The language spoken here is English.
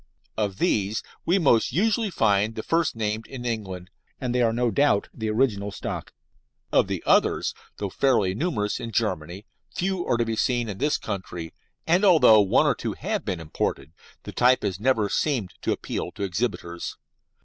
Of these we most usually find the first named in England, and they are no doubt the original stock. Of the others, though fairly numerous in Germany, very few are to be seen in this country, and although one or two have been imported the type has never seemed to appeal to exhibitors.